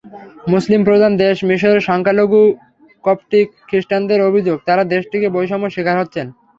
মুসলিম-প্রধান দেশ মিসরের সংখ্যালঘু কপটিক খ্রিষ্টানদের অভিযোগ, তাঁরা দেশটিতে বৈষম্যের শিকার হচ্ছেন।